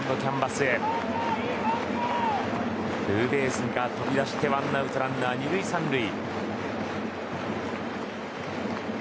ツーベースが飛び出してワンアウトランナー２塁３塁。